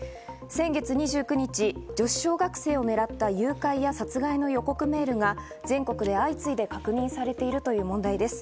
先月２９日、女子小学生を狙った誘拐や殺害の予告メールが全国で相次いで確認されているという問題です。